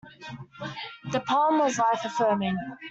The poem was life-affirming.